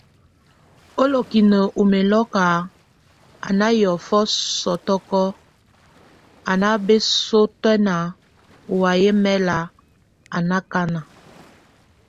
Olokin o mɛlok, a ná yɔfɔ sɔtɔkɔk, a nábesɔtɛn o waye mɛl a nákana.